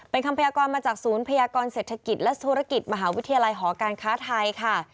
เป็นคำพยากรมาจากศูนย์พยากรเศรษฐกิจและธุรกิจมหาวิทยาลัยหอการค้าไทยค่ะ